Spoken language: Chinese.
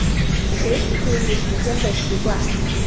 随时注意时间的习惯